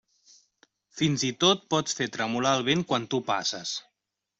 Fins i tot pots fer tremolar el vent quan tu passes.